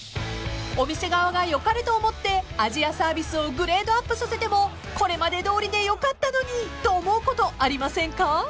［お店側がよかれと思って味やサービスをグレードアップさせてもこれまでどおりでよかったのにと思うことありませんか？］